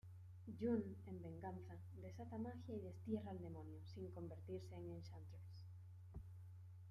June, en venganza, desata magia y destierra al demonio, sin convertirse en Enchantress.